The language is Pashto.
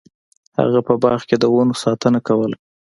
هغه په باغ کې د ونو ساتنه کوله.